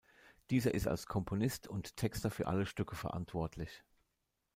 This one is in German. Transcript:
Dieser ist als Komponist und Texter für alle Stücke verantwortlich.